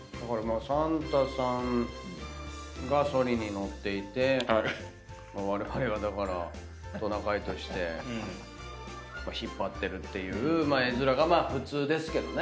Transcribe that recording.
サンタさんがソリに乗っていてわれわれはだからトナカイとして引っ張ってるっていう絵面が普通ですけどね。